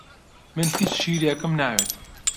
من هیچ شیرێکم ناوێت.